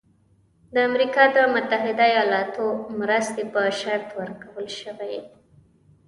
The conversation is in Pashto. د امریکا د متحده ایالاتو مرستې په شرط ورکول شوی.